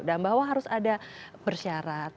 dan bahwa harus ada persyarat